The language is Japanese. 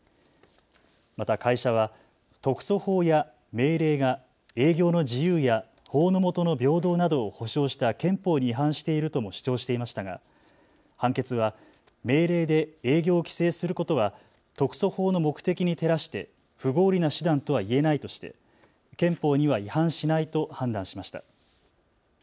また会社は特措法や命令が営業の自由や法の下の平等などを保障した憲法に違反しているとも主張していましたが、判決は命令で営業を規制することは特措法の目的に照らして不合理な手段とはいえないとして憲法には違反しないと判断しました。